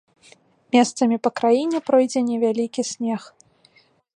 Месцамі па краіну пройдзе невялікі снег.